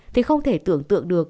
thì không thể tưởng tượng được